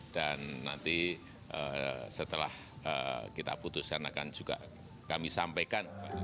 dan nanti setelah kita putuskan akan juga kami sampaikan